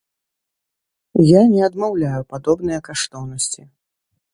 Я не адмаўляю падобныя каштоўнасці.